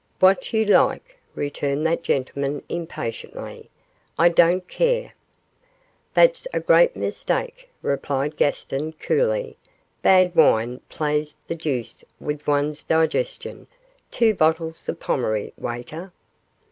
'What you like,' returned that gentleman, impatiently, 'I don't care.' 'That's a great mistake,' replied Gaston, coolly; 'bad wine plays the deuce with one's digestion two bottles of Pommery, waiter.